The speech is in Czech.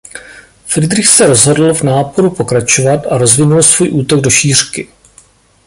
Fridrich se rozhodl v náporu pokračovat a rozvinul svůj útok do šířky.